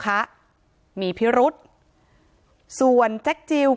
การแก้เคล็ดบางอย่างแค่นั้นเอง